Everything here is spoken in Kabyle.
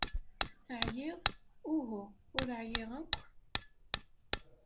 Teɛyiḍ? Uhu, ur ɛyiɣ akk.